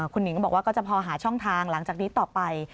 คุณหิงก็บอกว่าก็จะพอหาช่องทางหลังจากนี้ต่อไป